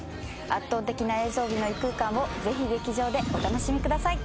圧倒的な映像美の異空間をぜひ劇場でお楽しみください